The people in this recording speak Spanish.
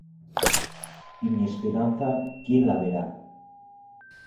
Y mi esperanza ¿quién la verá?